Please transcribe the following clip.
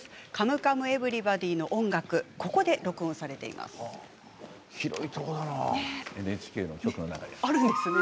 「カムカムエヴリバディ」の音楽は、ここで録音されています。